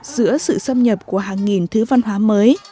giữa sự xâm nhập của hàng nghìn thứ văn hóa mới